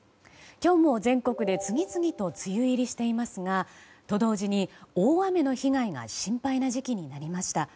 今日も全国で次々と梅雨入りしていますがと同時に大雨の被害が心配な時期になりました。